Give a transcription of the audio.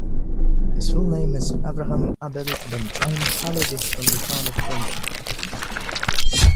His full name is Avraham Abele ben Chaim HaLevi from the town of Gombin.